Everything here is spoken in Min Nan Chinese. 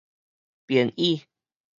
便椅